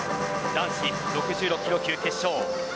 男子６６キロ級決勝。